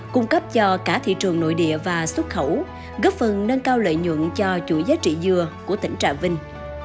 cung cấp cho cả thị trường nội địa và xuất khẩu góp phần nâng cao lợi nhuận cho chuỗi giá trị dừa của tỉnh trà vinh